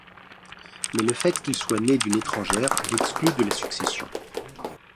Mais le fait qu'il soit né d'une étrangère l'exclut de la succession.